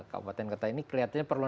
kabupaten kota ini kelihatannya perlu